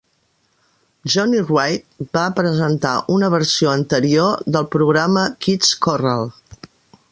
Johnny Wright va presentar una versió anterior del programa, "Kids Korral".